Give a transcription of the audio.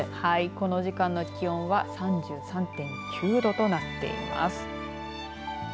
この時間の気温は３３．９度となっています。